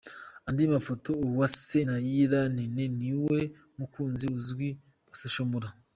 Andi Mafoto: Uwase Nailla Nene ni we mukunzi uzwi wa Social Mula.